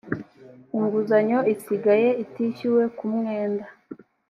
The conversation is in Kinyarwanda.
inguzanyo isigaye itishyuwe ku mwenda